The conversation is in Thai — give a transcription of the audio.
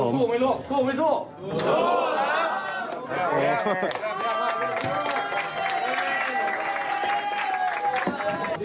สู้ไหมลูกสู้ไหมลูก